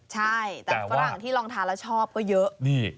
ใช่แต่ฝรั่งที่ลองทานแล้วชอบก็เยอะ